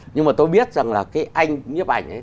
nhưng mà tôi biết rằng là cái anh nhiếp ảnh ấy